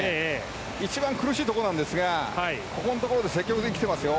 一番苦しいところなんですがここのところで積極的にきてますよ。